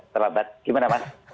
terlambat gimana mas